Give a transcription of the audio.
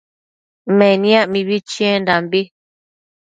Meniac mibi chiendambi